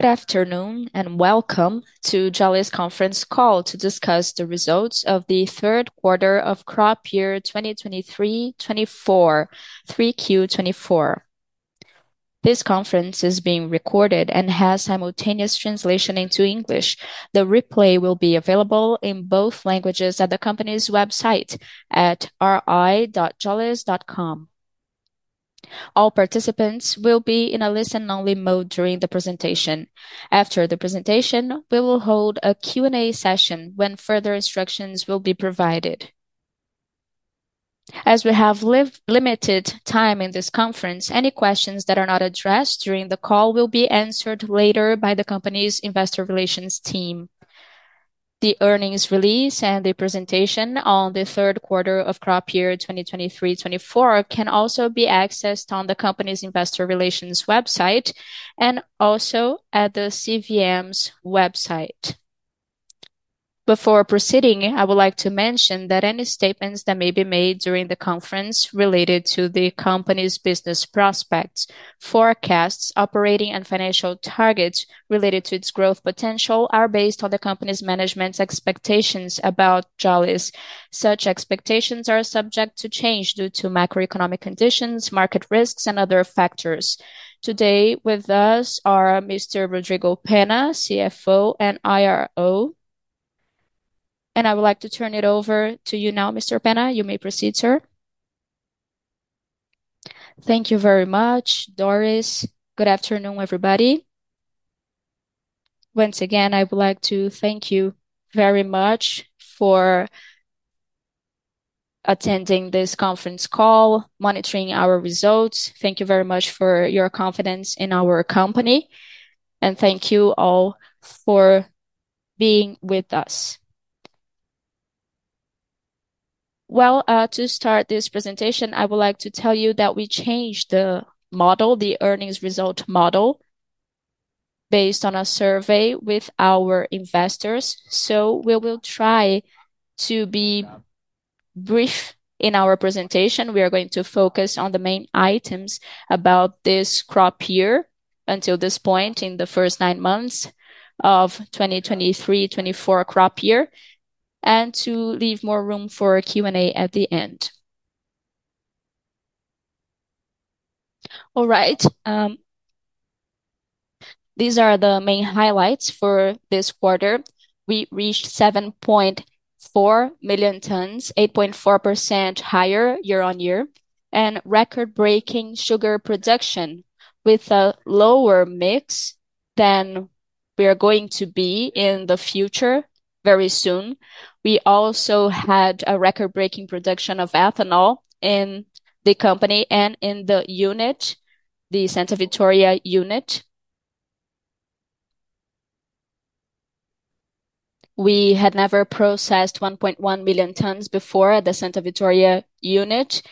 Good afternoon and welcome to Jalles Conference Call to discuss the results of the third quarter of crop year 2023-2024, 3Q 2024. This conference is being recorded and has simultaneous translation into English. The replay will be available in both languages at the company's website at ri.jalles.com. All participants will be in a listen-only mode during the presentation. After the presentation, we will hold a Q&A session when further instructions will be provided. As we have limited time in this conference, any questions that are not addressed during the call will be answered later by the company's investor relations team. The earnings release and the presentation on the third quarter of crop year 2023-2024 can also be accessed on the company's investor relations website and also at the CVM's website. Before proceeding, I would like to mention that any statements that may be made during the conference related to the company's business prospects, forecasts, operating and financial targets related to its growth potential are based on the company's management's expectations about Jalles. Such expectations are subject to change due to macroeconomic conditions, market risks, and other factors. Today with us are Mr. Rodrigo Penna, CFO and IRO. And I would like to turn it over to you now, Mr. Penna. You may proceed, sir. Thank you very much, Doris. Good afternoon, everybody. Once again, I would like to thank you very much for attending this conference call, monitoring our results. Thank you very much for your confidence in our company. And thank you all for being with us. Well, to start this presentation, I would like to tell you that we changed the model, the earnings result model, based on a survey with our investors. So we will try to be brief in our presentation. We are going to focus on the main items about this crop year until this point in the first nine months of 2023-2024 crop year and to leave more room for Q&A at the end. All right. These are the main highlights for this quarter. We reached 7.4 million tons, 8.4% higher year-on-year, and record-breaking sugar production with a lower mix than we are going to be in the future very soon. We also had a record-breaking production of ethanol in the company and in the unit, the Santa Vitória unit. We had never processed 1.1 million tons before at the Santa Vitória unit.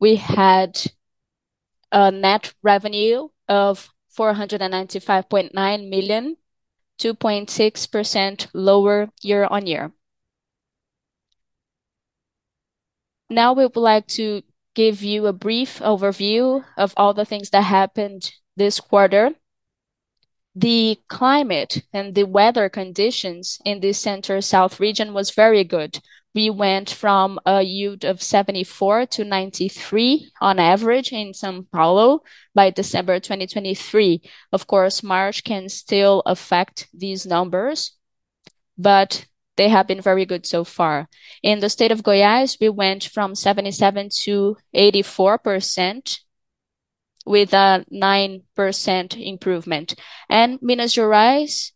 We had a net revenue of 495.9 million, 2.6% lower year-on-year. Now we would like to give you a brief overview of all the things that happened this quarter. The climate and the weather conditions in the Center-South Region were very good. We went from a yield of 74-93 on average in São Paulo by December 2023. Of course, March can still affect these numbers, but they have been very good so far. In the state of Goiás, we went from 77%-84% with a 9% improvement. And Minas Gerais,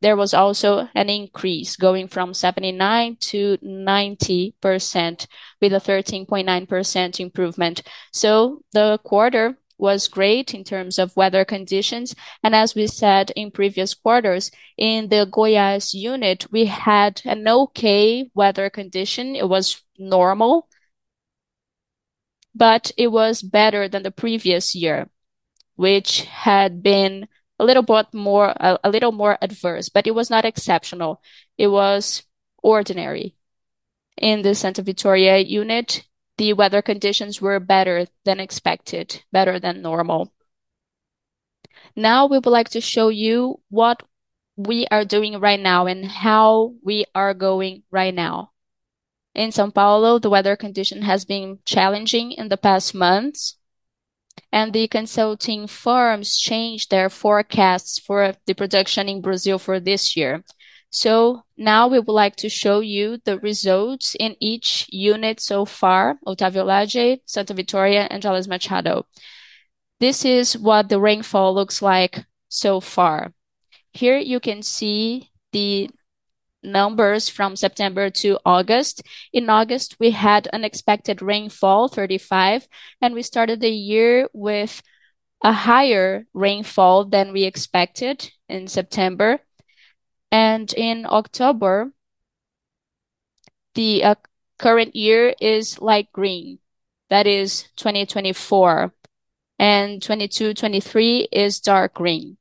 there was also an increase going from 79%-90% with a 13.9% improvement. So the quarter was great in terms of weather conditions. And as we said in previous quarters, in the Goiás unit, we had an okay weather condition. It was normal, but it was better than the previous year, which had been a little bit more adverse, but it was not exceptional. It was ordinary. In the Santa Vitória unit, the weather conditions were better than expected, better than normal. Now we would like to show you what we are doing right now and how we are going right now. In São Paulo, the weather condition has been challenging in the past months, and the consulting firms changed their forecasts for the production in Brazil for this year. So now we would like to show you the results in each unit so far: Otávio Lage, Santa Vitória, and Jalles Machado. This is what the rainfall looks like so far. Here you can see the numbers from September to August. In August, we had unexpected rainfall, 35, and we started the year with a higher rainfall than we expected in September. In October, the current year is light green. That is 2024. And 2022-2023 is dark green.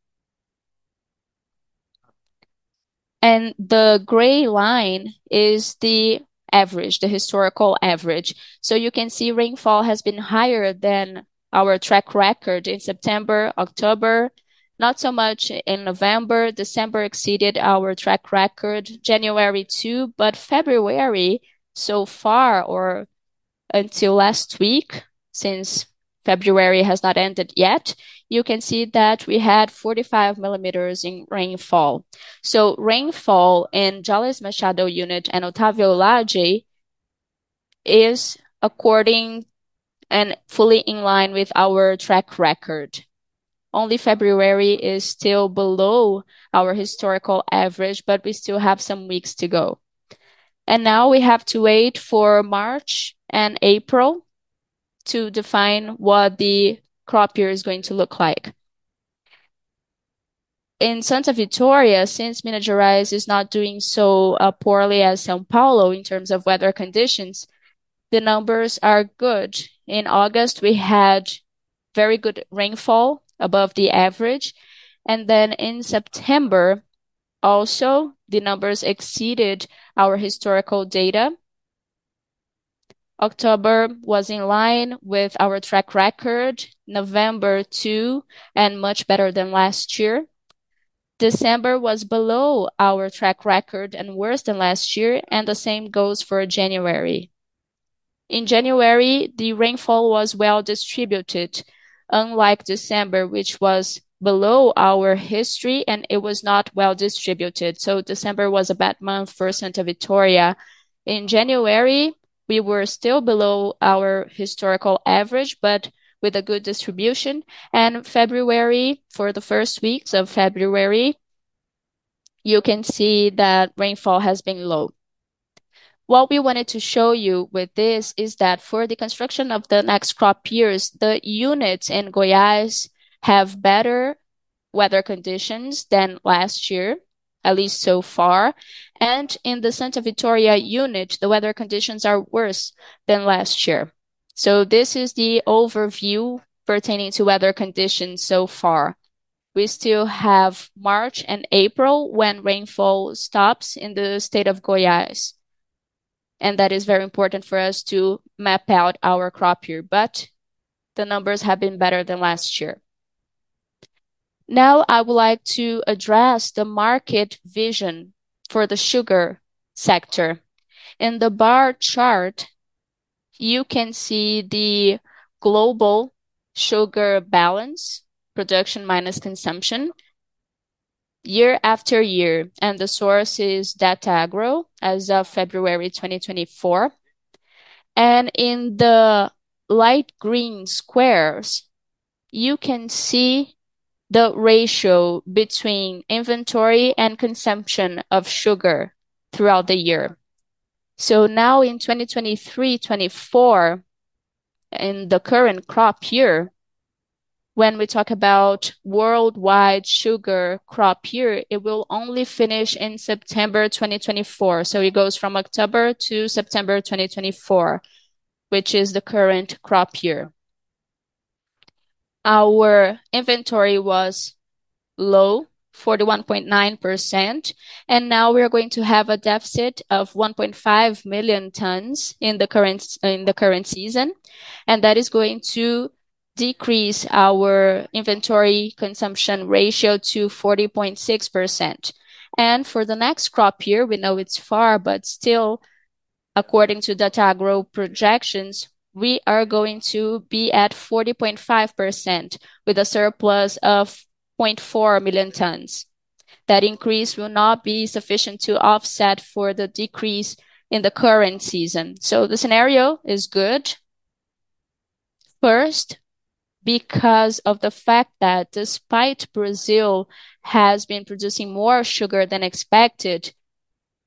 And the gray line is the average, the historical average. So you can see rainfall has been higher than our track record in September, October. Not so much in November. December exceeded our track record, January too. But February so far, or until last week, since February has not ended yet, you can see that we had 45 millimeters in rainfall. So rainfall in Jalles Machado unit and Otávio Lage is according and fully in line with our track record. Only February is still below our historical average, but we still have some weeks to go. Now we have to wait for March and April to define what the crop year is going to look like. In Santa Vitória, since Minas Gerais is not doing so poorly as São Paulo in terms of weather conditions, the numbers are good. In August, we had very good rainfall above the average. Then in September, also, the numbers exceeded our historical data. October was in line with our track record, November too, and much better than last year. December was below our track record and worse than last year. The same goes for January. In January, the rainfall was well distributed, unlike December, which was below our history, and it was not well distributed. December was a bad month for Santa Vitória. In January, we were still below our historical average, but with a good distribution. In February, for the first weeks of February, you can see that rainfall has been low. What we wanted to show you with this is that for the construction of the next crop years, the units in Goiás have better weather conditions than last year, at least so far. In the Santa Vitória unit, the weather conditions are worse than last year. This is the overview pertaining to weather conditions so far. We still have March and April when rainfall stops in the state of Goiás. That is very important for us to map out our crop year. But the numbers have been better than last year. Now I would like to address the market vision for the sugar sector. In the bar chart, you can see the global sugar balance, production minus consumption, year after year, and the source is Datagro as of February 2024. In the light green squares, you can see the ratio between inventory and consumption of sugar throughout the year. So now in 2023-2024, in the current crop year, when we talk about worldwide sugar crop year, it will only finish in September 2024. So it goes from October to September 2024, which is the current crop year. Our inventory was low, 41.9%. And now we are going to have a deficit of 1.5 million tons in the current season. And that is going to decrease our inventory consumption ratio to 40.6%. And for the next crop year, we know it's far, but still, according to Datagro projections, we are going to be at 40.5% with a surplus of 0.4 million tons. That increase will not be sufficient to offset for the decrease in the current season. So the scenario is good. First, because of the fact that despite Brazil has been producing more sugar than expected,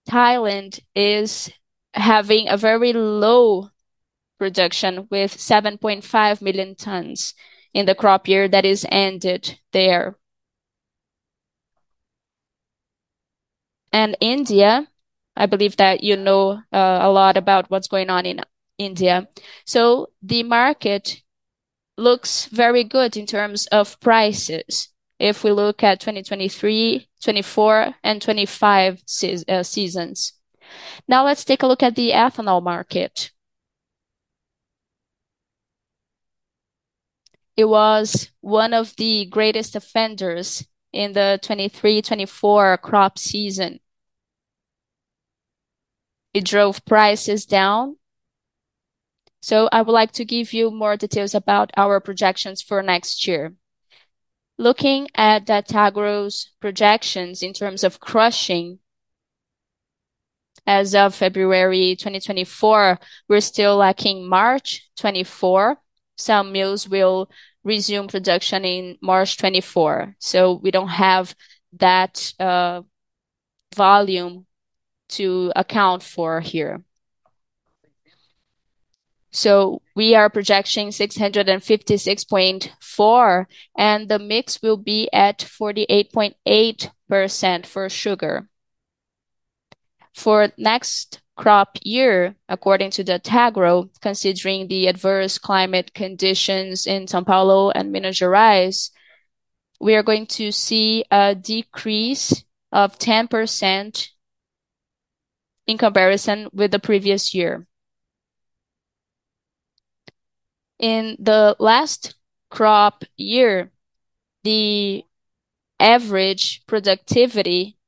Thailand is having a very low production with 7.5 million tons in the crop year that is ended there. And India, I believe that you know a lot about what's going on in India. So the market looks very good in terms of prices if we look at 2023, 2024, and 2025 seasons. Now let's take a look at the ethanol market. It was one of the greatest offenders in the 2023-2024 crop season. It drove prices down. So I would like to give you more details about our projections for next year. Looking at Datagro's projections in terms of crushing as of February 2024, we're still lacking March 2024. Some mills will resume production in March 2024. So we don't have that volume to account for here. So we are projecting 656.4, and the mix will be at 48.8% for sugar. For next crop year, according to Datagro, considering the adverse climate conditions in São Paulo and Minas Gerais, we are going to see a decrease of 10% in comparison with the previous year. In the last crop year, the average productivity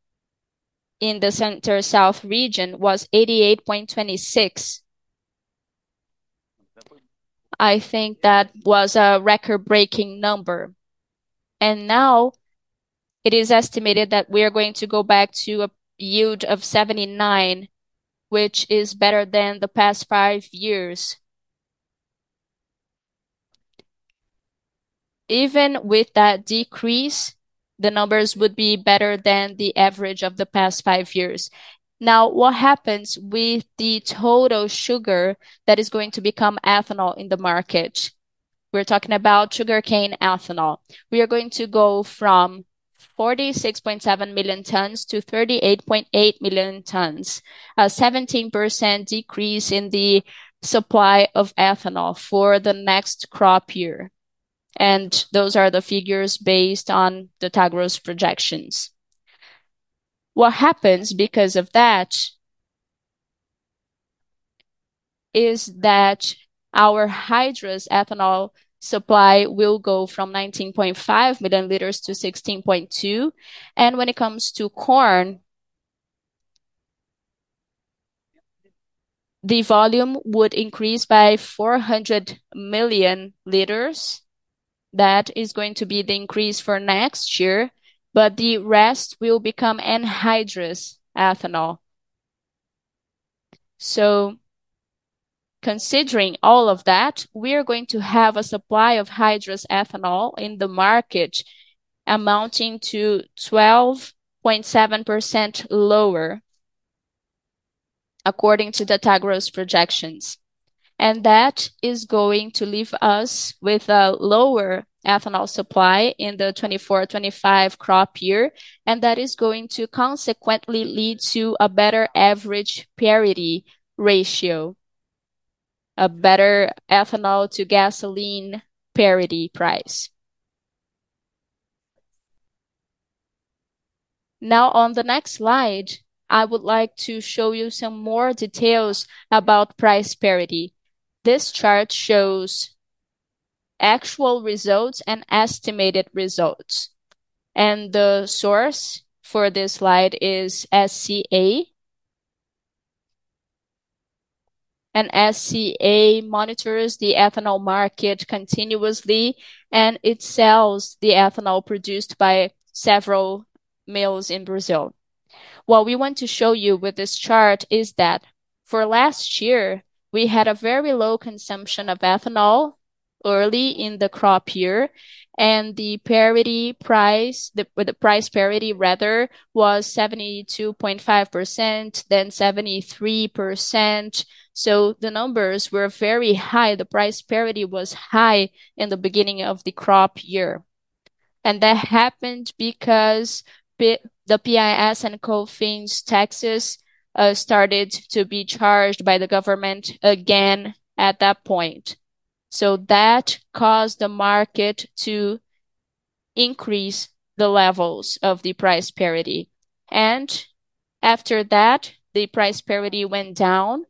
in the center-south region was 88.26. I think that was a record-breaking number. And now it is estimated that we are going to go back to a yield of 79, which is better than the past five years. Even with that decrease, the numbers would be better than the average of the past five years. Now, what happens with the total sugar that is going to become ethanol in the market? We're talking about sugarcane ethanol. We are going to go from 46.7 million tons to 38.8 million tons, a 17% decrease in the supply of ethanol for the next crop year. Those are the figures based on Datagro's projections. What happens because of that is that our hydrous ethanol supply will go from 19.5 million liters to 16.2. When it comes to corn, the volume would increase by 400 million liters. That is going to be the increase for next year, but the rest will become anhydrous ethanol. Considering all of that, we are going to have a supply of hydrous ethanol in the market amounting to 12.7% lower, according to Datagro's projections. That is going to leave us with a lower ethanol supply in the 2024-25 crop year. That is going to consequently lead to a better average parity ratio, a better ethanol-to-gasoline parity price. Now, on the next slide, I would like to show you some more details about price parity. This chart shows actual results and estimated results. The source for this slide is SCA. SCA monitors the ethanol market continuously, and it sells the ethanol produced by several mills in Brazil. What we want to show you with this chart is that for last year, we had a very low consumption of ethanol early in the crop year. The parity price, the price parity rather, was 72.5%, then 73%. The numbers were very high. The price parity was high in the beginning of the crop year. That happened because the PIS and COFINS taxes started to be charged by the government again at that point. That caused the market to increase the levels of the price parity. After that, the price parity went down.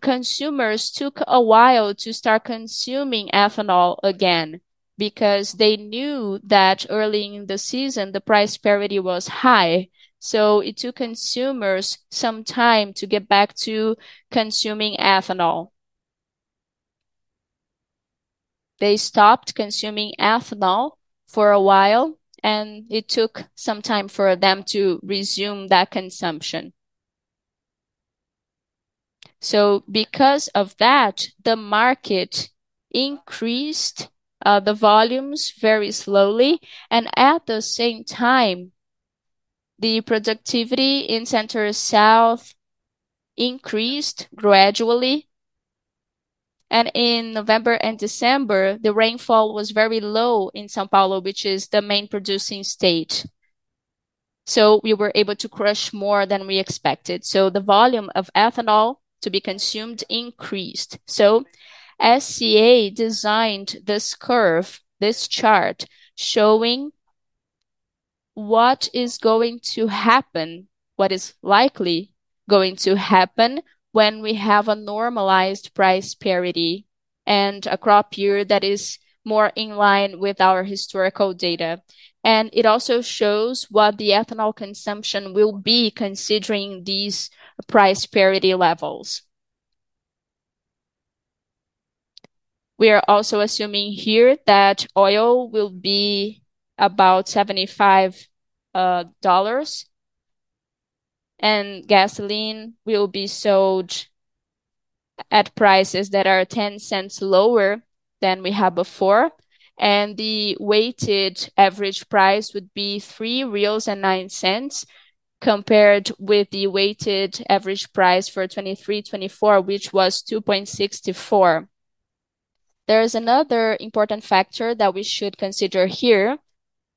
Consumers took a while to start consuming ethanol again because they knew that early in the season, the price parity was high. It took consumers some time to get back to consuming ethanol. They stopped consuming ethanol for a while, and it took some time for them to resume that consumption. Because of that, the market increased the volumes very slowly. At the same time, the productivity in Center-South increased gradually. In November and December, the rainfall was very low in São Paulo, which is the main producing state. We were able to crush more than we expected. The volume of ethanol to be consumed increased. So SCA designed this curve, this chart, showing what is going to happen, what is likely going to happen when we have a normalized price parity and a crop year that is more in line with our historical data. And it also shows what the ethanol consumption will be considering these price parity levels. We are also assuming here that oil will be about $75. And gasoline will be sold at prices that are $0.10 lower than we have before. And the weighted average price would be 3.09 reais compared with the weighted average price for 2023-2024, which was 2.64. There is another important factor that we should consider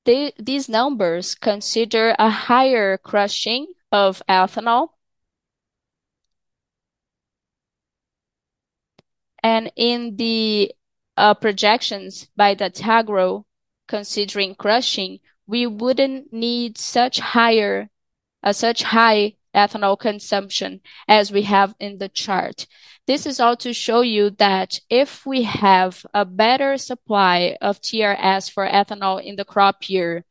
here. These numbers consider a higher crushing of ethanol. And in the projections by Datagro, considering crushing, we wouldn't need such high ethanol consumption as we have in the chart. This is all to show you that if we have a better supply of TRS for ethanol in the crop year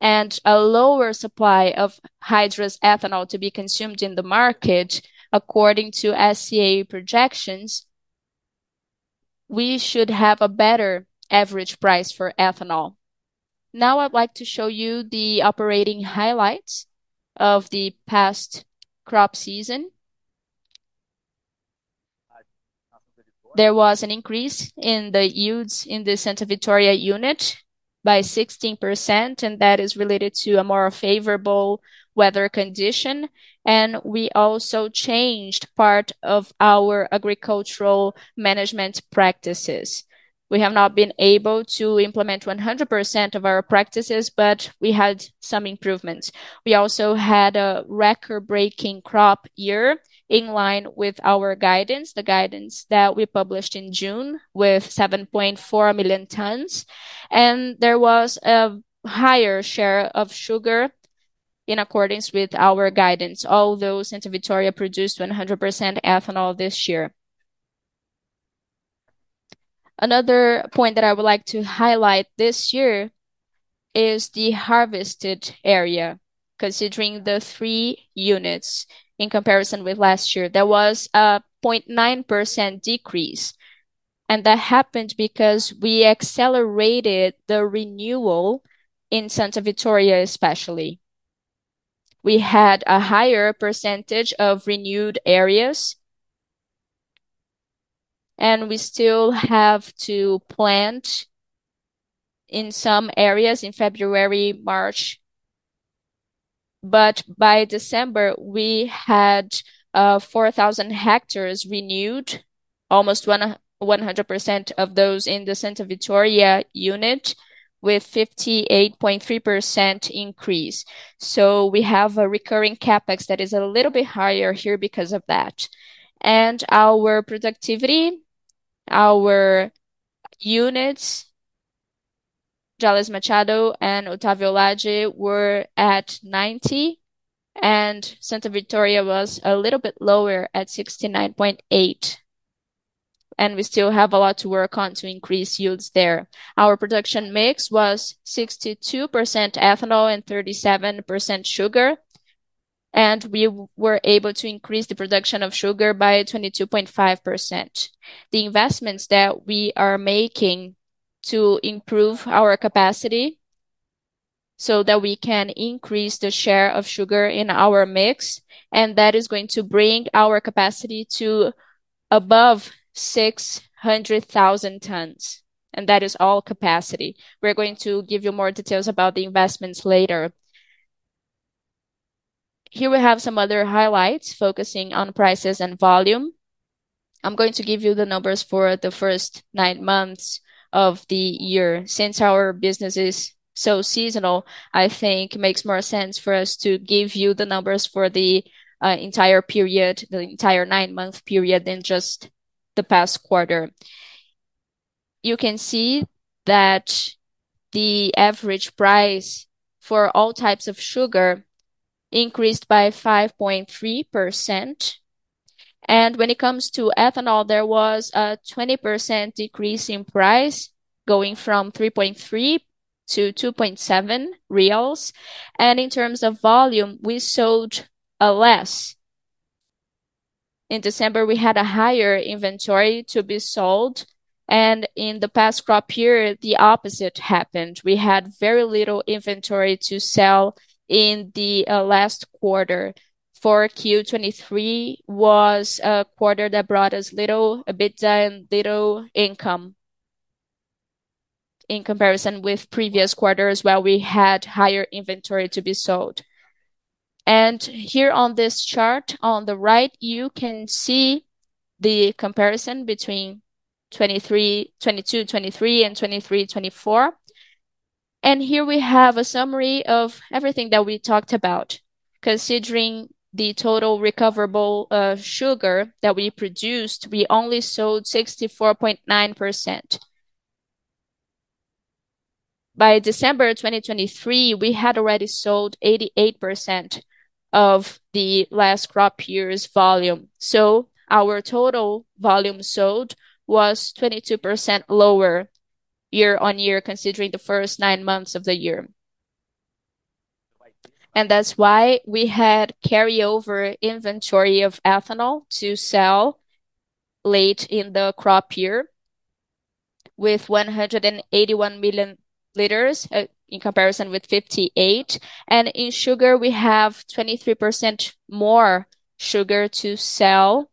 and a lower supply of hydrous ethanol to be consumed in the market, according to SCA projections, we should have a better average price for ethanol. Now I'd like to show you the operating highlights of the past crop season. There was an increase in the yields in the Santa Vitória unit by 16%, and that is related to a more favorable weather condition. We also changed part of our agricultural management practices. We have not been able to implement 100% of our practices, but we had some improvements. We also had a record-breaking crop year in line with our guidance, the guidance that we published in June with 7.4 million tons. There was a higher share of sugar in accordance with our guidance, although Santa Vitória produced 100% ethanol this year. Another point that I would like to highlight this year is the harvested area, considering the three units in comparison with last year. There was a 0.9% decrease. That happened because we accelerated the renewal in Santa Vitória, especially. We had a higher percentage of renewed areas. We still have to plant in some areas in February, March. But by December, we had 4,000 hectares renewed, almost 100% of those in the Santa Vitória unit with 58.3% increase. So we have a recurring CapEx that is a little bit higher here because of that. Our productivity, our units, Jalles Machado and Otávio Lage, were at 90. Santa Vitória was a little bit lower at 69.8. We still have a lot to work on to increase yields there. Our production mix was 62% ethanol and 37% sugar. We were able to increase the production of sugar by 22.5%. The investments that we are making to improve our capacity so that we can increase the share of sugar in our mix, and that is going to bring our capacity to above 600,000 tons. That is all capacity. We're going to give you more details about the investments later. Here we have some other highlights focusing on prices and volume. I'm going to give you the numbers for the first nine months of the year. Since our business is so seasonal, I think it makes more sense for us to give you the numbers for the entire period, the entire nine-month period than just the past quarter. You can see that the average price for all types of sugar increased by 5.3%. When it comes to ethanol, there was a 20% decrease in price going from 3.3-2.7 reais. In terms of volume, we sold less. In December, we had a higher inventory to be sold. In the past crop year, the opposite happened. We had very little inventory to sell in the last quarter. For Q23, it was a quarter that brought us little, a bit little income in comparison with previous quarters where we had higher inventory to be sold. Here on this chart on the right, you can see the comparison between 2022-2023 and 2023-2024. Here we have a summary of everything that we talked about. Considering the total recoverable sugar that we produced, we only sold 64.9%. By December 2023, we had already sold 88% of the last crop year's volume. So our total volume sold was 22% lower year-on-year considering the first nine months of the year. And that's why we had carryover inventory of ethanol to sell late in the crop year with 181 million liters in comparison with 58. And in sugar, we have 23% more sugar to sell.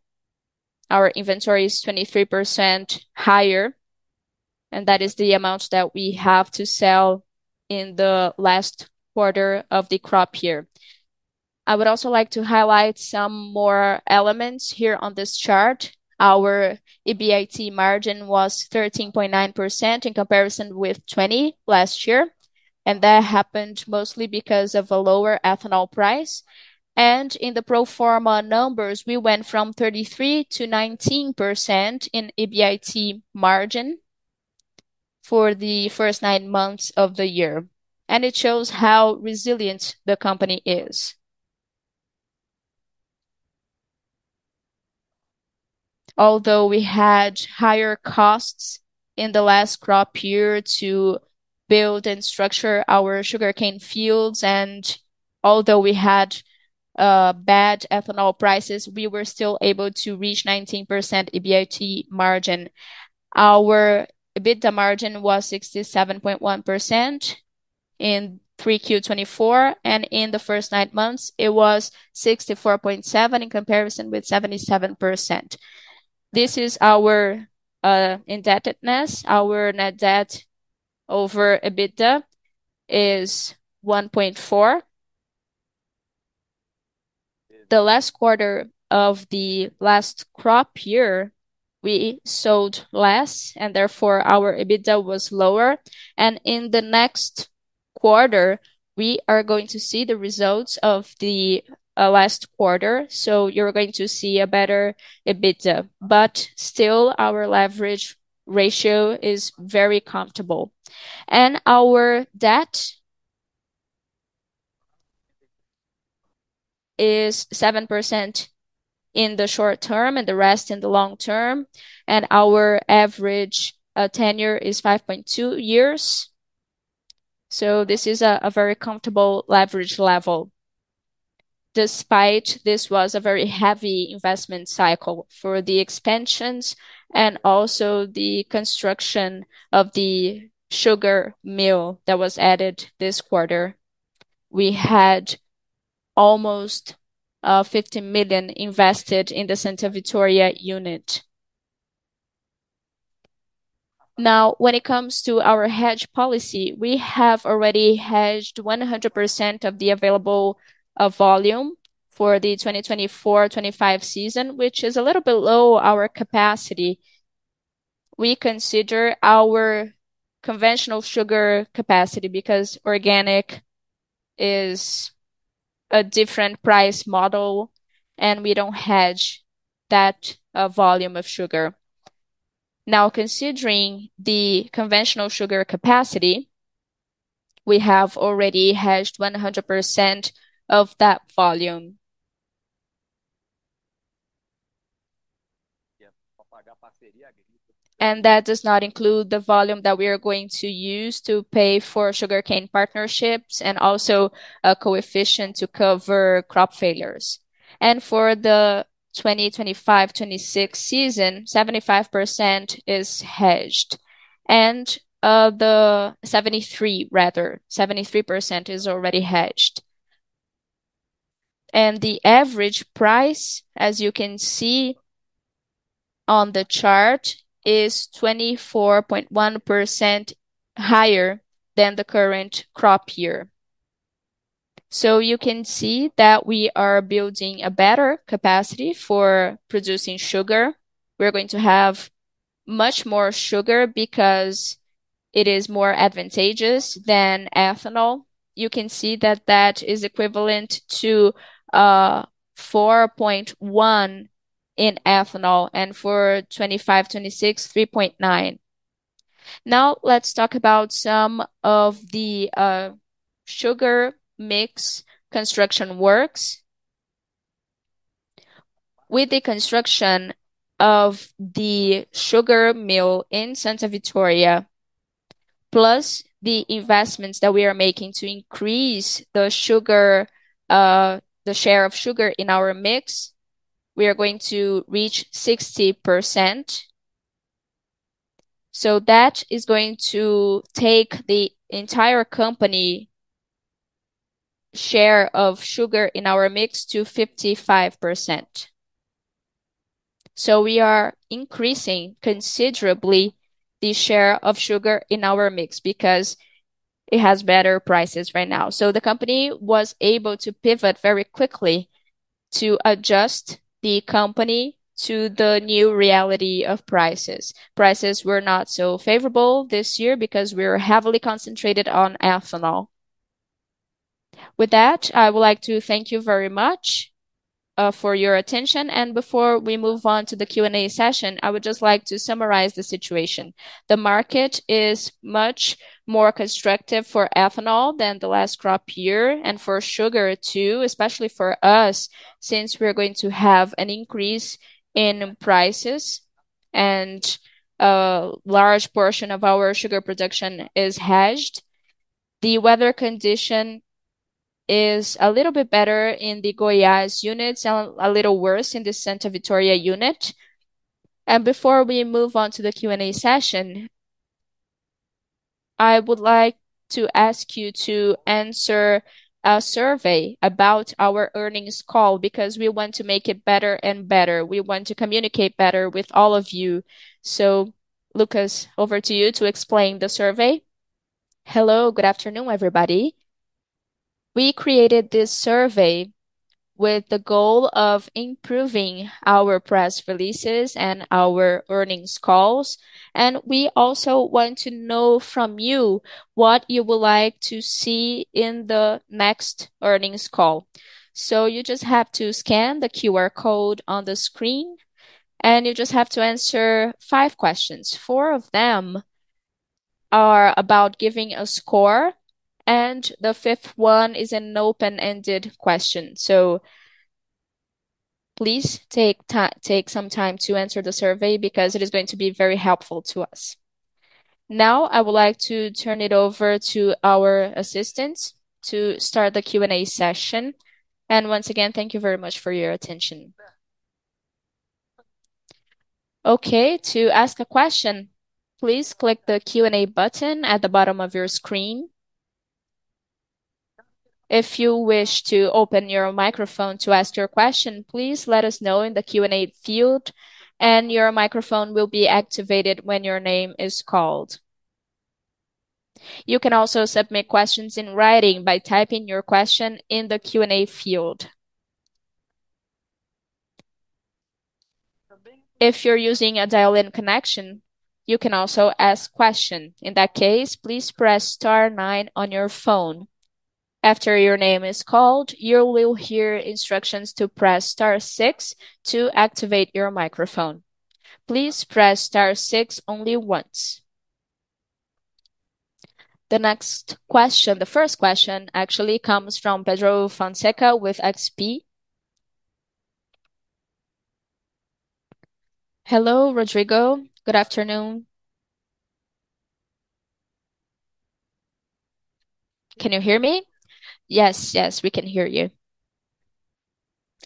Our inventory is 23% higher. And that is the amount that we have to sell in the last quarter of the crop year. I would also like to highlight some more elements here on this chart. Our EBIT margin was 13.9% in comparison with 20% last year. And that happened mostly because of a lower ethanol price. And in the pro forma numbers, we went from 33%-19% in EBIT margin for the first nine months of the year. It shows how resilient the company is. Although we had higher costs in the last crop year to build and structure our sugarcane fields, and although we had bad ethanol prices, we were still able to reach 19% EBIT margin. Our EBITDA margin was 67.1% in 3Q24, and in the first nine months, it was 64.7% in comparison with 77%. This is our indebtedness. Our net debt over EBITDA is 1.4. The last quarter of the last crop year, we sold less, and therefore our EBITDA was lower. In the next quarter, we are going to see the results of the last quarter. You're going to see a better EBITDA. Still, our leverage ratio is very comfortable. Our debt is 7% in the short term and the rest in the long term. Our average tenure is 5.2 years. So this is a very comfortable leverage level. Despite this was a very heavy investment cycle for the expansions and also the construction of the sugar mill that was added this quarter, we had almost 50 million invested in the Santa Vitória unit. Now, when it comes to our hedge policy, we have already hedged 100% of the available volume for the 2024-2025 season, which is a little below our capacity. We consider our conventional sugar capacity because organic is a different price model, and we don't hedge that volume of sugar. Now, considering the conventional sugar capacity, we have already hedged 100% of that volume. And that does not include the volume that we are going to use to pay for sugarcane partnerships and also a coefficient to cover crop failures. And for the 2025-2026 season, 75% is hedged. And the 73, rather, 73% is already hedged. The average price, as you can see on the chart, is 24.1% higher than the current crop year. You can see that we are building a better capacity for producing sugar. We're going to have much more sugar because it is more advantageous than ethanol. You can see that that is equivalent to 4.1 in ethanol and for 2025-2026, 3.9. Now, let's talk about some of the sugar mix construction works. With the construction of the sugar mill in Santa Vitória, plus the investments that we are making to increase the sugar, the share of sugar in our mix, we are going to reach 60%. That is going to take the entire company share of sugar in our mix to 55%. We are increasing considerably the share of sugar in our mix because it has better prices right now. So the company was able to pivot very quickly to adjust the company to the new reality of prices. Prices were not so favorable this year because we were heavily concentrated on ethanol. With that, I would like to thank you very much for your attention. And before we move on to the Q&A session, I would just like to summarize the situation. The market is much more constructive for ethanol than the last crop year and for sugar too, especially for us, since we're going to have an increase in prices and a large portion of our sugar production is hedged. The weather condition is a little bit better in the Goiás units and a little worse in the Santa Vitória unit. Before we move on to the Q&A session, I would like to ask you to answer a survey about our earnings call because we want to make it better and better. We want to communicate better with all of you. Lucas, over to you to explain the survey. Hello, good afternoon, everybody. We created this survey with the goal of improving our press releases and our earnings calls. We also want to know from you what you would like to see in the next earnings call. You just have to scan the QR code on the screen. You just have to answer five questions. Four of them are about giving a score, and the fifth one is an open-ended question. Please take some time to answer the survey because it is going to be very helpful to us. Now, I would like to turn it over to our assistants to start the Q&A session. And once again, thank you very much for your attention. Okay, to ask a question, please click the Q&A button at the bottom of your screen. If you wish to open your microphone to ask your question, please let us know in the Q&A field, and your microphone will be activated when your name is called. You can also submit questions in writing by typing your question in the Q&A field. If you're using a dial-in connection, you can also ask a question. In that case, please press star nine on your phone. After your name is called, you will hear instructions to press star 6 to activate your microphone. Please press star six only once. The next question, the first question, actually comes from Pedro Fonseca with XP. Hello, Rodrigo. Good afternoon. Can you hear me? Yes, yes, we can hear you.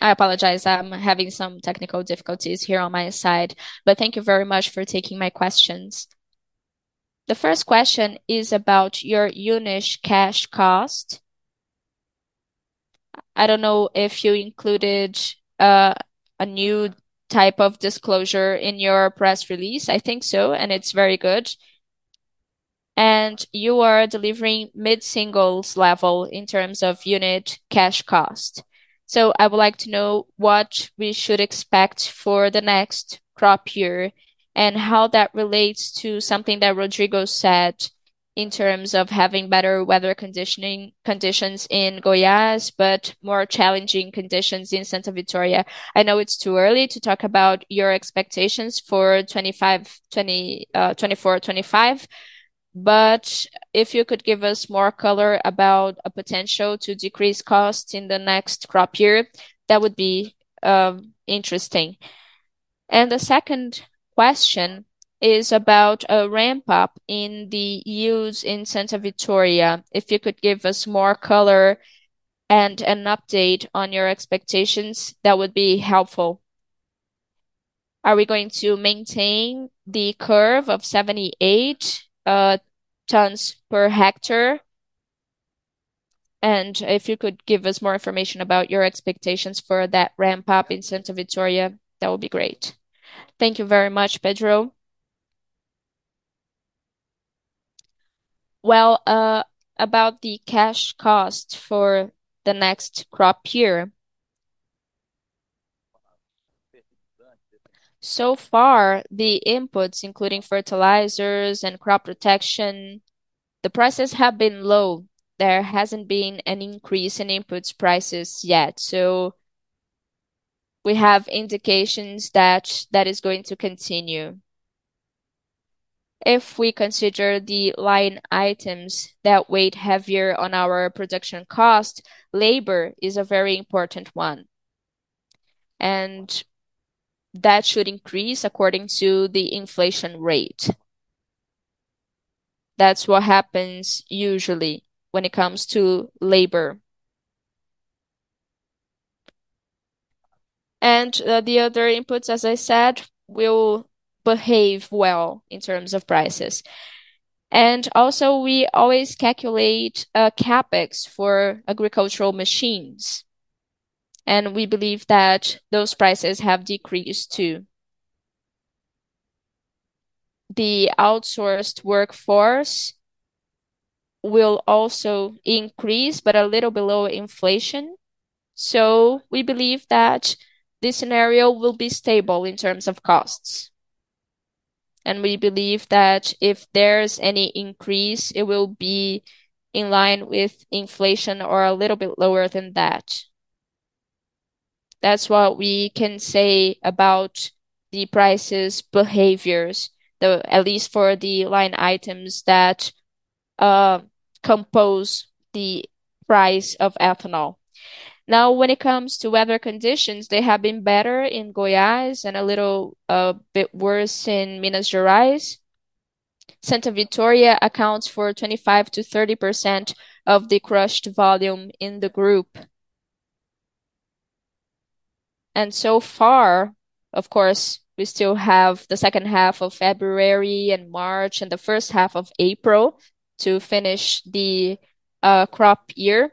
I apologize. I'm having some technical difficulties here on my side, but thank you very much for taking my questions. The first question is about your unit cash cost. I don't know if you included a new type of disclosure in your press release. I think so, and it's very good. And you are delivering mid-singles level in terms of unit cash cost. So I would like to know what we should expect for the next crop year and how that relates to something that Rodrigo said in terms of having better weather conditions in Goiás, but more challenging conditions in Santa Vitória. I know it's too early to talk about your expectations for 2024-2025, but if you could give us more color about a potential to decrease costs in the next crop year, that would be interesting. The second question is about a ramp-up in the use in Santa Vitória. If you could give us more color and an update on your expectations, that would be helpful. Are we going to maintain the curve of 78 tons per hectare? And if you could give us more information about your expectations for that ramp-up in Santa Vitória, that would be great. Thank you very much, Pedro. Well, about the cash costs for the next crop year. So far, the inputs, including fertilizers and crop protection, the prices have been low. There hasn't been an increase in inputs prices yet. So we have indications that that is going to continue. If we consider the line items that weigh heavier on our production cost, labor is a very important one. And that should increase according to the inflation rate. That's what happens usually when it comes to labor. The other inputs, as I said, will behave well in terms of prices. Also, we always calculate CapEx for agricultural machines. We believe that those prices have decreased too. The outsourced workforce will also increase, but a little below inflation. We believe that this scenario will be stable in terms of costs. We believe that if there's any increase, it will be in line with inflation or a little bit lower than that. That's what we can say about the prices behaviors, at least for the line items that compose the price of ethanol. Now, when it comes to weather conditions, they have been better in Goiás and a little bit worse in Minas Gerais. Santa Vitória accounts for 25%-30% of the crushed volume in the group. And so far, of course, we still have the second half of February and March and the first half of April to finish the crop year.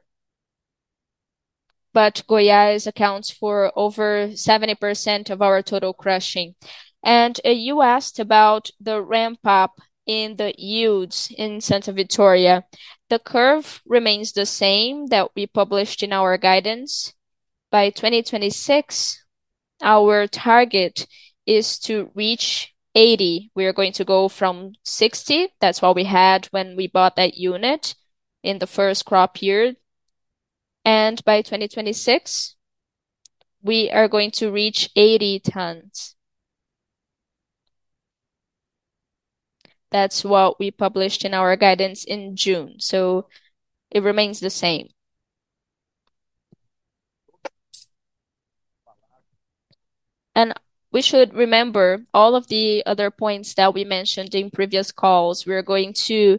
But Goiás accounts for over 70% of our total crushing. And you asked about the ramp-up in the yields in Santa Vitória. The curve remains the same that we published in our guidance. By 2026, our target is to reach 80. We are going to go from 60. That's what we had when we bought that unit in the first crop year. And by 2026, we are going to reach 80 tons. That's what we published in our guidance in June. So it remains the same. And we should remember all of the other points that we mentioned in previous calls. We are going to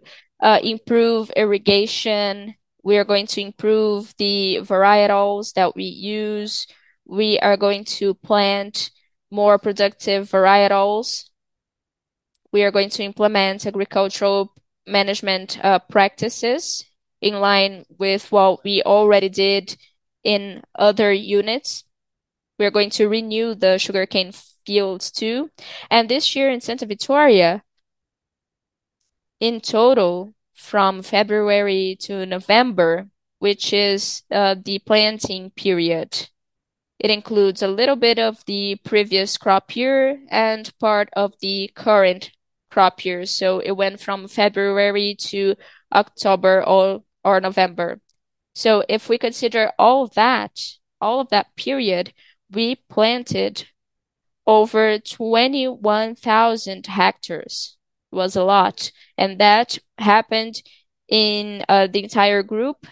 improve irrigation. We are going to improve the varietals that we use. We are going to plant more productive varietals. We are going to implement agricultural management practices in line with what we already did in other units. We are going to renew the sugarcane fields too. This year in Santa Vitória, in total, from February to November, which is the planting period, it includes a little bit of the previous crop year and part of the current crop year. So it went from February to October or November. So if we consider all that, all of that period, we planted over 21,000 hectares. It was a lot. That happened in the entire group.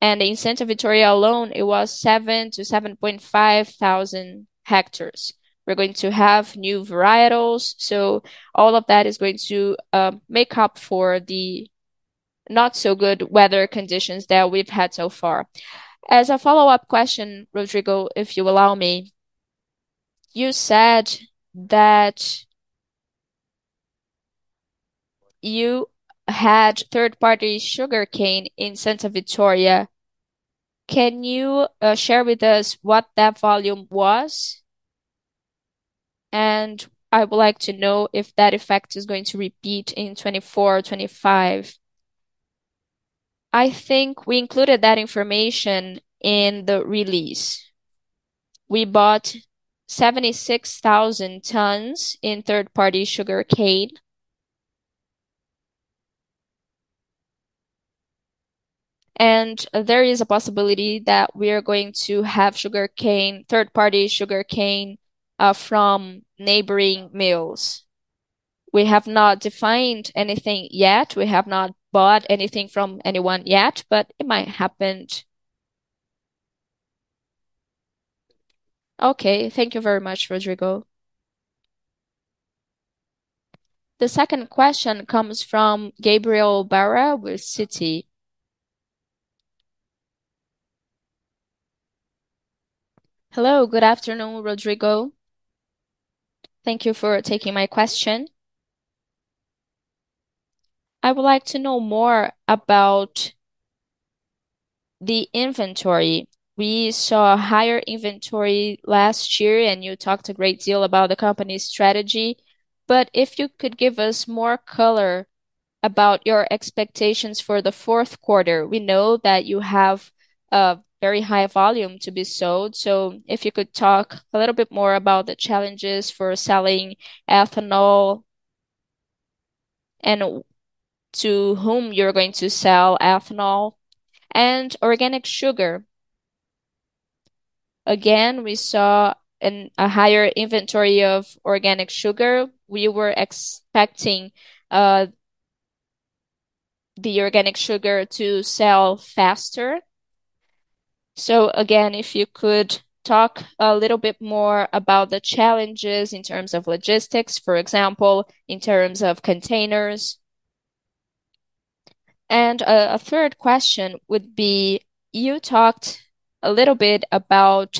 In Santa Vitória alone, it was 7,000-7,500 hectares. We're going to have new varietals. So all of that is going to make up for the not-so-good weather conditions that we've had so far. As a follow-up question, Rodrigo, if you allow me, you said that you had third-party sugarcane in Santa Vitória. Can you share with us what that volume was? And I would like to know if that effect is going to repeat in 2024-2025. I think we included that information in the release. We bought 76,000 tons in third-party sugarcane. And there is a possibility that we are going to have third-party sugarcane from neighboring mills. We have not defined anything yet. We have not bought anything from anyone yet, but it might happen. Okay, thank you very much, Rodrigo. The second question comes from Gabriel Barra with Citi. Hello, good afternoon, Rodrigo. Thank you for taking my question. I would like to know more about the inventory. We saw a higher inventory last year, and you talked a great deal about the company's strategy. But if you could give us more color about your expectations for the fourth quarter, we know that you have a very high volume to be sold. So if you could talk a little bit more about the challenges for selling ethanol and to whom you're going to sell ethanol and organic sugar? Again, we saw a higher inventory of organic sugar. We were expecting the organic sugar to sell faster. So again, if you could talk a little bit more about the challenges in terms of logistics, for example, in terms of containers. And a third question would be, you talked a little bit about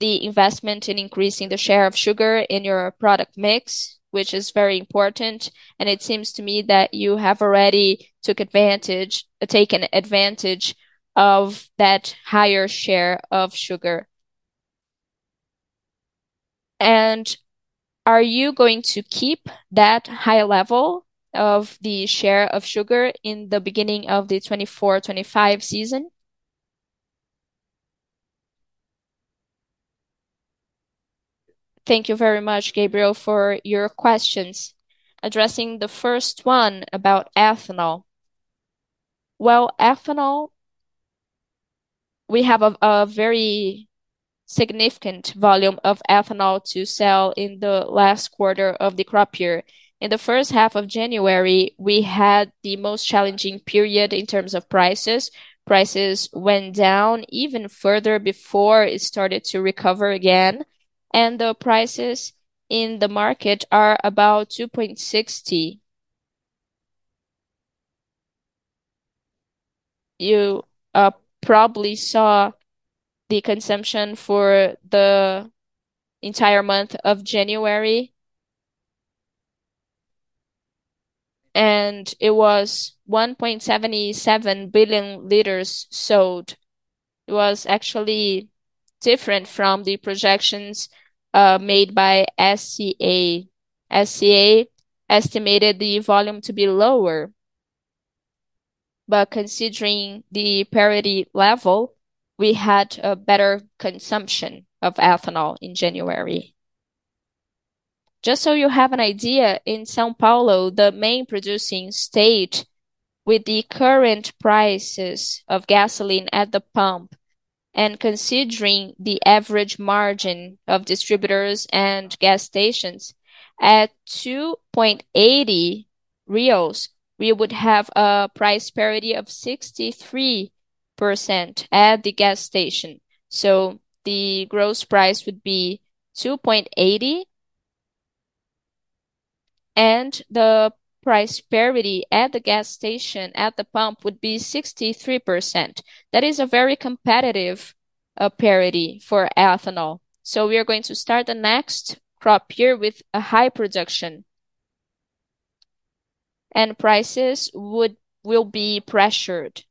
the investment in increasing the share of sugar in your product mix, which is very important. And it seems to me that you have already taken advantage of that higher share of sugar. Are you going to keep that high level of the share of sugar in the beginning of the 2024-25 season? Thank you very much, Gabriel, for your questions. Addressing the first one about ethanol. Well, ethanol, we have a very significant volume of ethanol to sell in the last quarter of the crop year. In the first half of January, we had the most challenging period in terms of prices. Prices went down even further before it started to recover again. The prices in the market are about 2.60. You probably saw the consumption for the entire month of January. It was 1.77 billion liters sold. It was actually different from the projections made by SCA. SCA estimated the volume to be lower. But considering the parity level, we had a better consumption of ethanol in January. Just so you have an idea, in São Paulo, the main producing state with the current prices of gasoline at the pump and considering the average margin of distributors and gas stations at 2.80 reais, we would have a price parity of 63% at the gas station. So the gross price would be BRL 2.80. And the price parity at the gas station at the pump would be 63%. That is a very competitive parity for ethanol. So we are going to start the next crop year with a high production. And prices will be pressured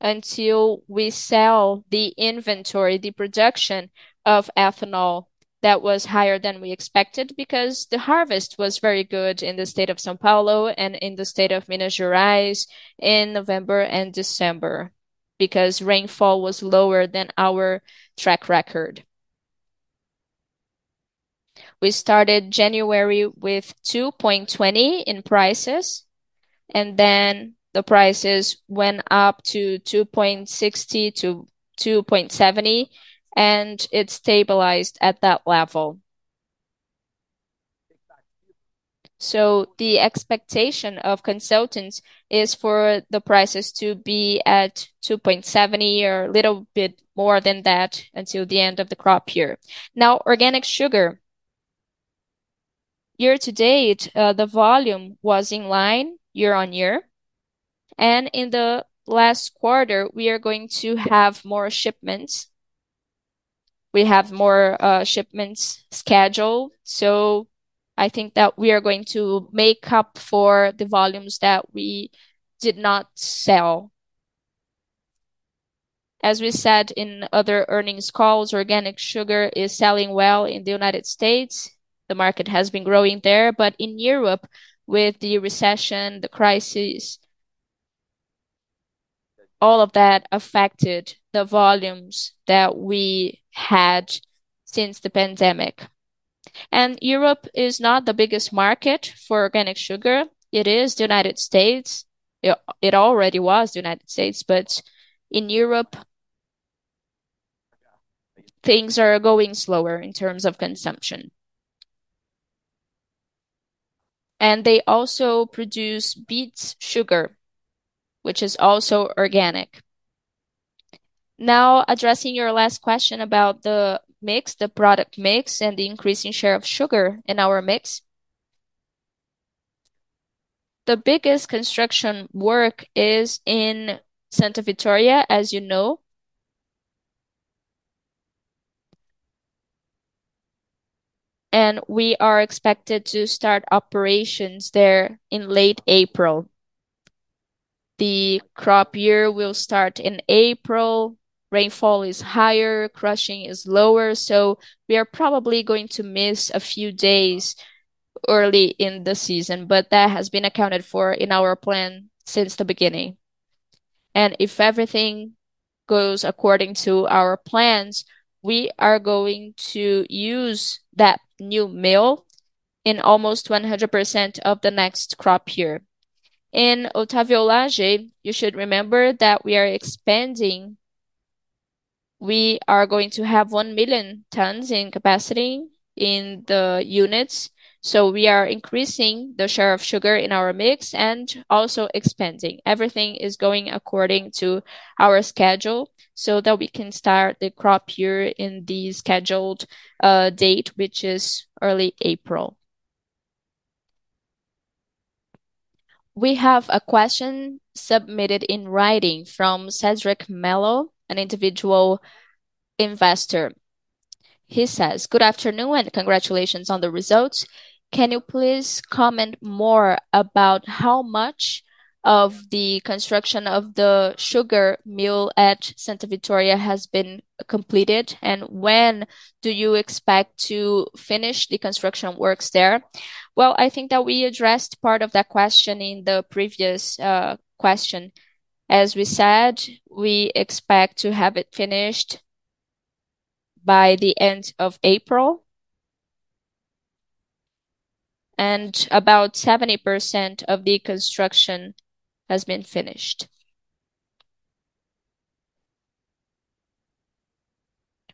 until we sell the inventory, the production of ethanol that was higher than we expected because the harvest was very good in the state of São Paulo and in the state of Minas Gerais in November and December because rainfall was lower than our track record. We started January with 2.20 in prices. Then the prices went up to 2.60-2.70, and it stabilized at that level. The expectation of consultants is for the prices to be at 2.70 or a little bit more than that until the end of the crop year. Now, organic sugar, year-to-date, the volume was in line year-on-year. In the last quarter, we are going to have more shipments. We have more shipments scheduled. I think that we are going to make up for the volumes that we did not sell. As we said in other earnings calls, organic sugar is selling well in the United States. The market has been growing there. In Europe, with the recession, the crisis, all of that affected the volumes that we had since the pandemic. Europe is not the biggest market for organic sugar. It is the United States. It already was the United States. But in Europe, things are going slower in terms of consumption. And they also produce beet sugar, which is also organic. Now, addressing your last question about the mix, the product mix, and the increasing share of sugar in our mix. The biggest construction work is in Santa Vitória, as you know. And we are expected to start operations there in late April. The crop year will start in April. Rainfall is higher. Crushing is lower. So we are probably going to miss a few days early in the season, but that has been accounted for in our plan since the beginning. And if everything goes according to our plans, we are going to use that new mill in almost 100% of the next crop year. In Otávio Lage, you should remember that we are expanding. We are going to have 1 million tons in capacity in the units. We are increasing the share of sugar in our mix and also expanding. Everything is going according to our schedule so that we can start the Crop Year in the scheduled date, which is early April. We have a question submitted in writing from Cedric Mello, an individual investor. He says, "Good afternoon and congratulations on the results. Can you please comment more about how much of the construction of the sugar mill at Santa Vitória has been completed, and when do you expect to finish the construction works there?" Well, I think that we addressed part of that question in the previous question. As we said, we expect to have it finished by the end of April. About 70% of the construction has been finished.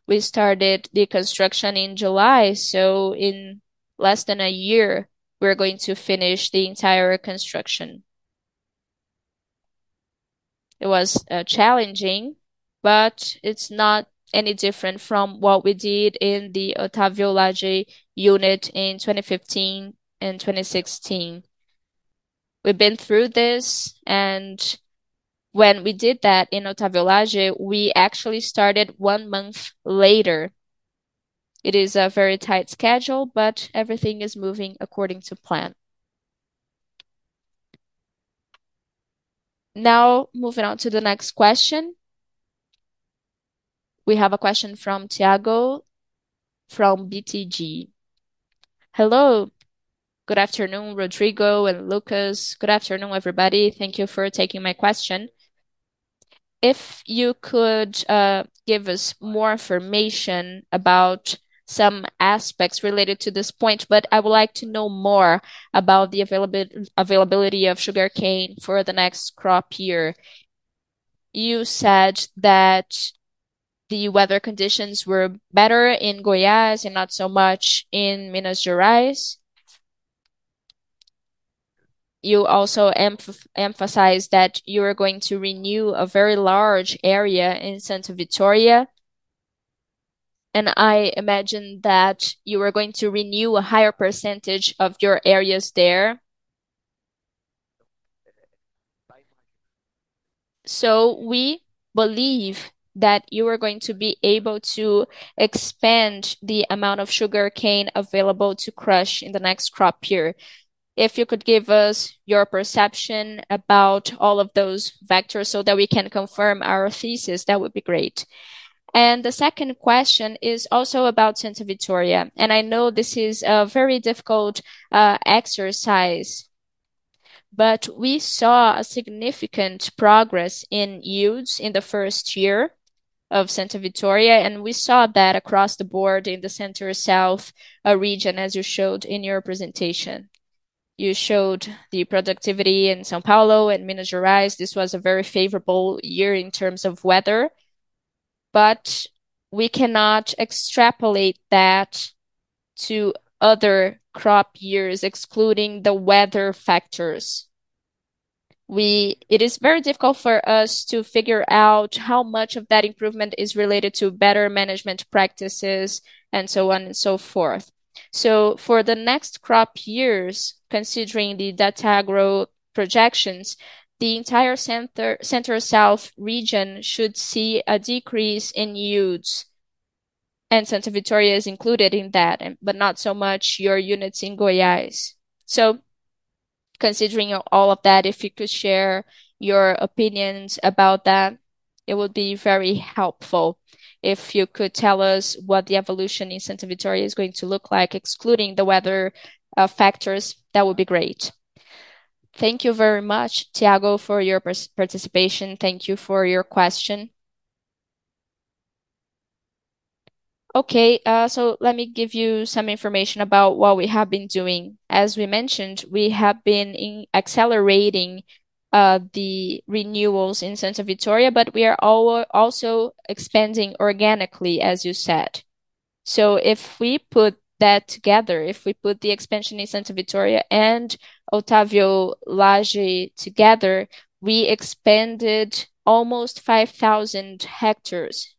We started the construction in July. In less than a year, we're going to finish the entire construction. It was challenging, but it's not any different from what we did in the Otávio Lage unit in 2015 and 2016. We've been through this. When we did that in Otávio Lage, we actually started one month later. It is a very tight schedule, but everything is moving according to plan. Now, moving on to the next question. We have a question from Thiago from BTG. Hello. Good afternoon, Rodrigo and Lucas. Good afternoon, everybody. Thank you for taking my question. If you could give us more information about some aspects related to this point, but I would like to know more about the availability of sugarcane for the next crop year. You said that the weather conditions were better in Goiás and not so much in Minas Gerais. You also emphasized that you were going to renew a very large area in Santa Vitória. I imagine that you were going to renew a higher percentage of your areas there. We believe that you are going to be able to expand the amount of sugarcane available to crush in the next crop year. If you could give us your perception about all of those vectors so that we can confirm our thesis, that would be great. The second question is also about Santa Vitória. I know this is a very difficult exercise. But we saw a significant progress in yields in the first year of Santa Vitória. We saw that across the board in the Center-South region, as you showed in your presentation. You showed the productivity in São Paulo and Minas Gerais. This was a very favorable year in terms of weather. But we cannot extrapolate that to other crop years, excluding the weather factors. It is very difficult for us to figure out how much of that improvement is related to better management practices and so on and so forth. So for the next crop years, considering the Datagro projections, the entire Center-South Region should see a decrease in yields. And Santa Vitória is included in that, but not so much your units in Goiás. So considering all of that, if you could share your opinions about that, it would be very helpful. If you could tell us what the evolution in Santa Vitória is going to look like, excluding the weather factors, that would be great. Thank you very much, Thiago, for your participation. Thank you for your question. Okay, so let me give you some information about what we have been doing. As we mentioned, we have been accelerating the renewals in Santa Vitória, but we are also expanding organically, as you said. So if we put that together, if we put the expansion in Santa Vitória and Otávio Lage together, we expanded almost 5,000 hectares.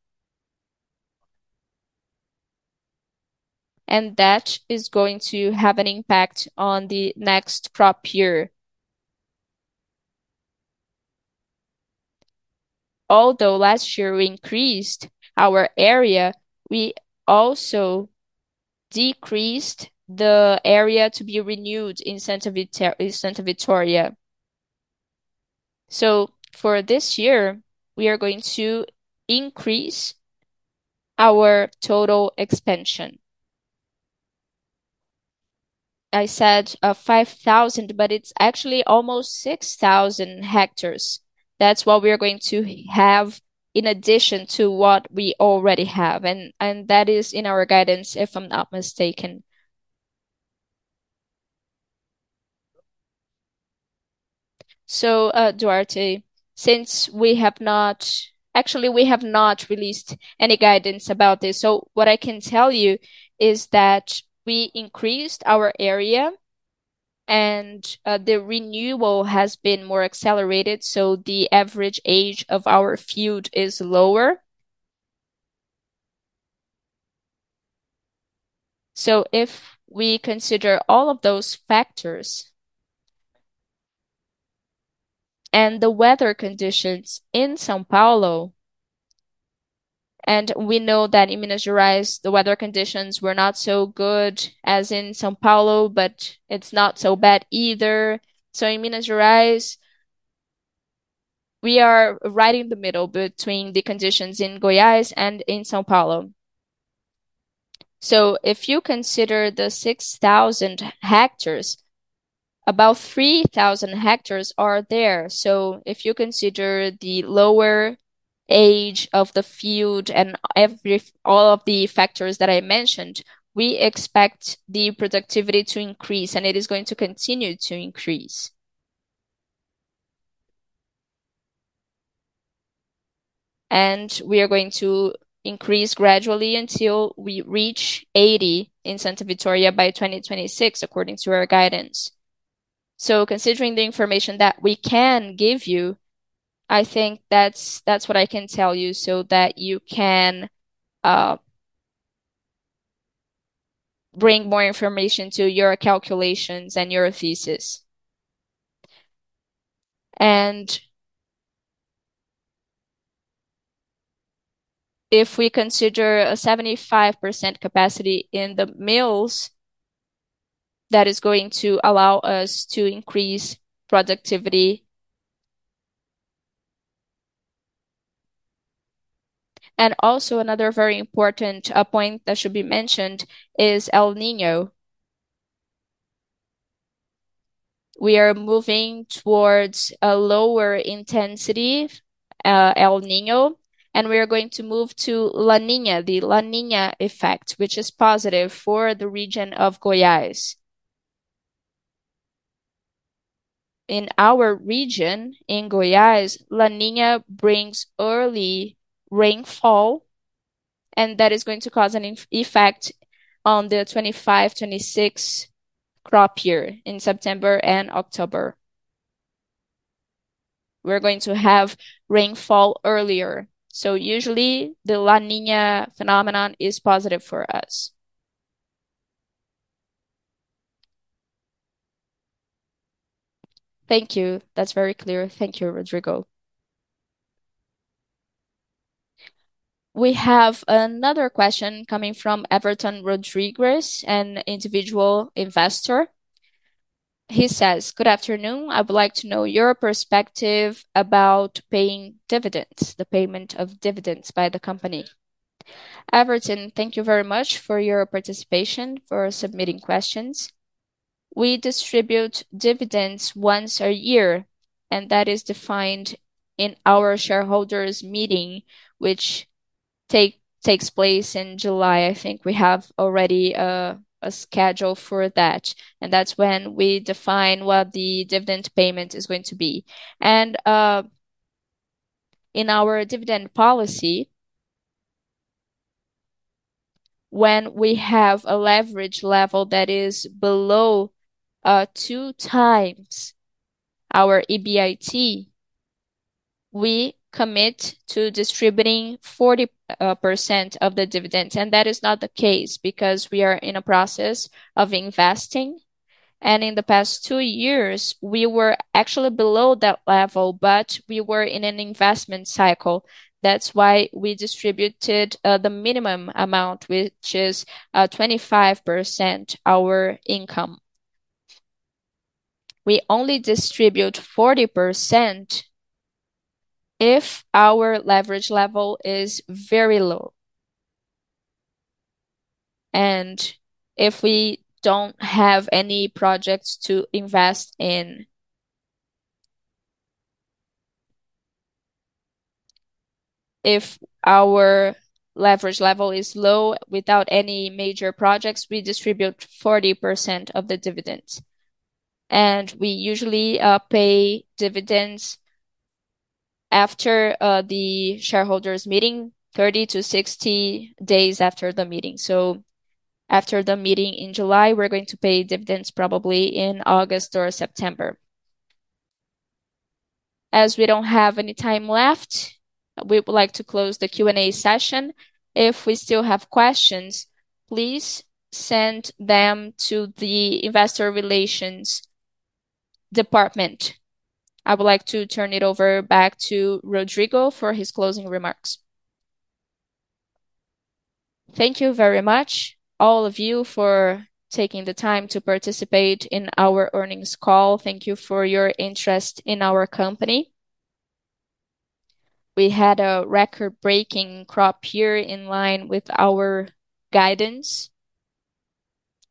And that is going to have an impact on the next crop year. Although last year we increased our area, we also decreased the area to be renewed in Santa Vitória. So for this year, we are going to increase our total expansion. I said 5,000, but it's actually almost 6,000 hectares. That's what we are going to have in addition to what we already have. And that is in our guidance, if I'm not mistaken. So Duarte, since we have not actually, we have not released any guidance about this. So what I can tell you is that we increased our area, and the renewal has been more accelerated. So the average age of our field is lower. So if we consider all of those factors and the weather conditions in São Paulo, and we know that in Minas Gerais, the weather conditions were not so good as in São Paulo, but it's not so bad either. So in Minas Gerais, we are right in the middle between the conditions in Goiás and in São Paulo. So if you consider the 6,000 hectares, about 3,000 hectares are there. So if you consider the lower age of the field and all of the factors that I mentioned, we expect the productivity to increase, and it is going to continue to increase. And we are going to increase gradually until we reach 80 in Santa Vitória by 2026, according to our guidance. So considering the information that we can give you, I think that's what I can tell you so that you can bring more information to your calculations and your thesis. If we consider a 75% capacity in the mills, that is going to allow us to increase productivity. Also another very important point that should be mentioned is El Niño. We are moving towards a lower intensity El Niño, and we are going to move to La Niña, the La Niña effect, which is positive for the region of Goiás. In our region in Goiás, La Niña brings early rainfall, and that is going to cause an effect on the 2025/26 crop year in September and October. We're going to have rainfall earlier. So usually, the La Niña phenomenon is positive for us. Thank you. That's very clear. Thank you, Rodrigo. We have another question coming from Everton Rodrigues, an individual investor. He says, "Good afternoon. I would like to know your perspective about paying dividends, the payment of dividends by the company." Everton, thank you very much for your participation, for submitting questions. We distribute dividends once a year, and that is defined in our shareholders' meeting, which takes place in July. I think we have already a schedule for that. That's when we define what the dividend payment is going to be. In our dividend policy, when we have a leverage level that is below 2x our EBIT, we commit to distributing 40% of the dividend. That is not the case because we are in a process of investing. In the past two years, we were actually below that level, but we were in an investment cycle. That's why we distributed the minimum amount, which is 25% our income. We only distribute 40% if our leverage level is very low. And if we don't have any projects to invest in, if our leverage level is low without any major projects, we distribute 40% of the dividend. And we usually pay dividends after the shareholders' meeting, 30-60 days after the meeting. So after the meeting in July, we're going to pay dividends probably in August or September. As we don't have any time left, we would like to close the Q&A session. If we still have questions, please send them to the investor relations department. I would like to turn it over back to Rodrigo for his closing remarks. Thank you very much, all of you, for taking the time to participate in our earnings call. Thank you for your interest in our company. We had a record-breaking crop year in line with our guidance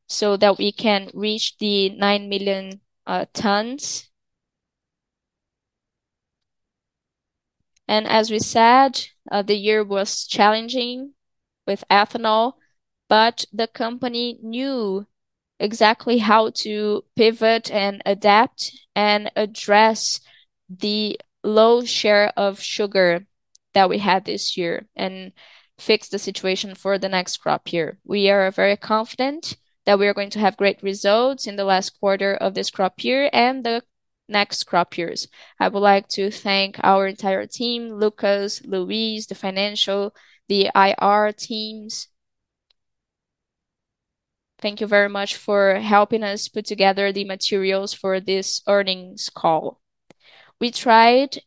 so that we can reach the 9 million tons. As we said, the year was challenging with ethanol, but the company knew exactly how to pivot and adapt and address the low share of sugar that we had this year and fix the situation for the next crop year. We are very confident that we are going to have great results in the last quarter of this crop year and the next crop years. I would like to thank our entire team, Lucas, Louise, the financial, the IR teams. Thank you very much for helping us put together the materials for this earnings call. We tried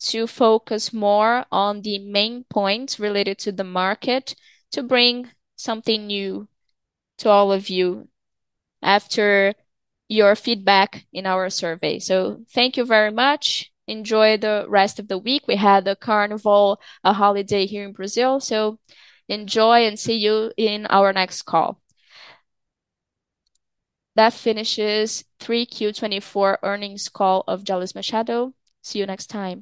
to focus more on the main points related to the market to bring something new to all of you after your feedback in our survey. Thank you very much. Enjoy the rest of the week. We had a carnival, a holiday here in Brazil. So enjoy and see you in our next call. That finishes 3Q24 earnings call of Jalles Machado. See you next time.